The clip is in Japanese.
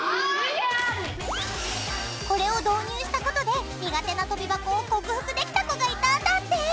これを導入した事で苦手な跳び箱を克服できた子がいたんだって！